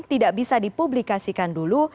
tidak bisa dipublikasikan dulu